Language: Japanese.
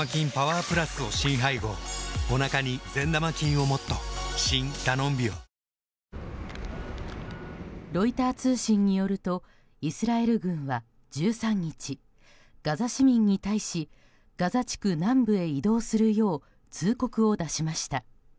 はぁ「サントリー生ビール」新しいみんなの「生ビール」ロイター通信によるとイスラエル軍は１３日ガザ市民に対しガザ地区南部へ移動するよう通告を出しました。